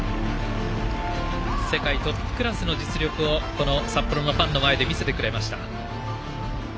世界トップクラスの実力をこの札幌のファンの前で見せてくれました。